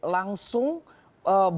langsung berapa persen